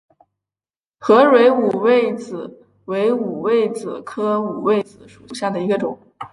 合蕊五味子为五味子科五味子属下的一个种。